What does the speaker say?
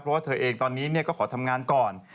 เพราะว่าเธอเองตอนนี้ก็ขอทำงานก่อน